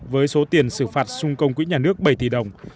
với số tiền xử phạt xung công quỹ nhà nước bảy tỷ đồng